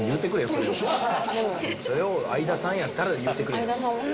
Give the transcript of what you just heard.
それを「相田さんやったら」で言うてくれよ。